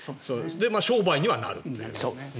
商売にはなるという。